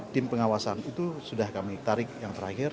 tim pengawasan itu sudah kami tarik yang terakhir